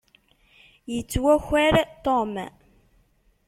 Yettwaker Tom.